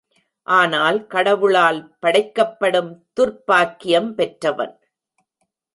ஆனால் கடவுளால் படைக்கப்படும் துர்ப்பாக்கியம் பெற்றவன்.